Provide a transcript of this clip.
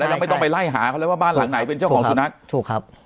เราไม่ต้องไปไล่หาเขาเลยว่าบ้านหลังไหนเป็นเจ้าของสุนัขถูกครับ